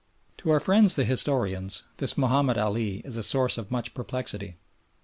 To our friends the historians this Mahomed Ali is a source of much perplexity.